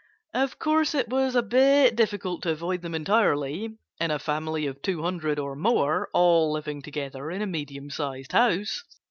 Of course it was a bit difficult to avoid them entirely in a family of two hundred or more, all living together in a medium sized house.